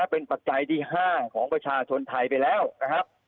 เป็นปัจจัยที่๕ของประชาชนไทยไปแล้วนะครับ